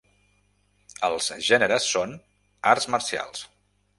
Els gèneres són: arts marcials.